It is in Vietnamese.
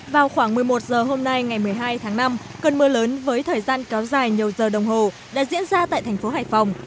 vào khoảng một mươi một h hôm nay ngày một mươi hai tháng năm cơn mưa lớn với thời gian kéo dài nhiều giờ đồng hồ đã diễn ra tại thành phố hải phòng